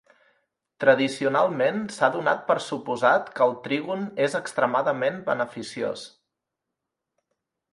Tradicionalment, s'ha donat per suposat que el trígon és extremadament beneficiós.